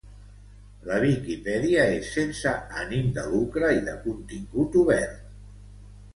La Viquipèdia és sense ànim de lucre i de contingut obert.